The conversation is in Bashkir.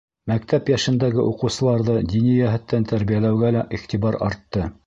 Мәктәп йәшендәге уҡыусыларҙы дини йәһәттән тәрбиәләүгә лә иғтибар артты.